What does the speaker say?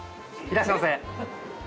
いらっしゃいませ。